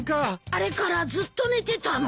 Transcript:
あれからずっと寝てたの？